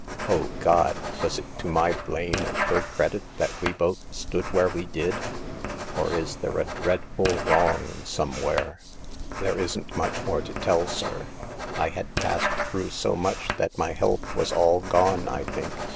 O, God ! was it to my blame and her credit that we both stood where we did ? Or is there a dreadful wrong somewhere ?" 4 There isn't much more to tell, sir. I had passed through so much that my health was all gone, I think.